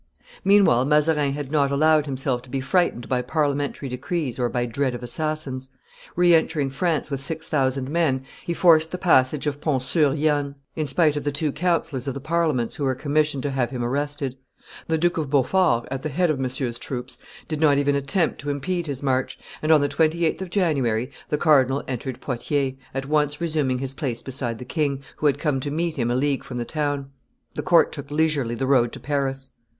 Meanwhile Mazarin had not allowed himself to be frightened by parliamentary decrees or by dread of assassins. Re entering France with six thousand men, he forced the passage of Pontsur Yonne, in spite of the two councillors of the Parliaments who were commissioned to have him arrested; the Duke of Beaufort, at the head of Monsieur's troops, did not even attempt to impede his march; and, on the 28th of January, the cardinal entered Poitiers, at once resuming his place beside the king, who had come to meet him a league from the town. The court took leisurely the road to Paris.